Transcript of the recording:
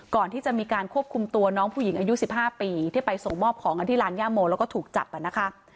ก่อนที่จะมีการควบคุมตัวน้องผู้หญิงอายุ๑๕ปีที่ไปส่งมอบของกันที่ร้านย่าโมแล้วก็ถูกจับนะคะ